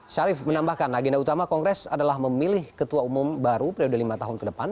syarif menambahkan agenda utama kongres adalah memilih ketua umum baru periode lima tahun ke depan